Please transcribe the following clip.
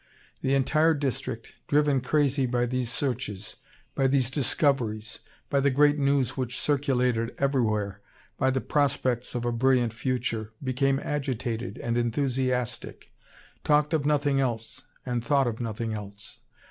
The entire district, driven crazy by these searches, by these discoveries, by the great news which circulated everywhere, by the prospects of a brilliant future, became agitated and enthusiastic, talked of nothing else, and thought of nothing else.